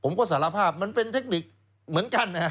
ผมก็สารภาพมันเป็นเทคนิคเหมือนกัน